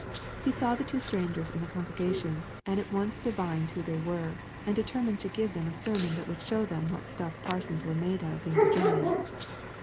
He saw the two strangers in the congregation, and at once divined who they were, and determined to give them a sermon that would show them what stuff parsons were made of in Virginia.